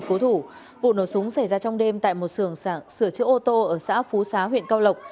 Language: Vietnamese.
cụ nổ súng xảy ra trong đêm tại một sưởng sửa chữa ô tô ở xã phú xá huyện cao lộc